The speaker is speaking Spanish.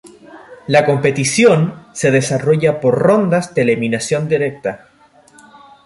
La competición se desarrolla por rondas de eliminación directa.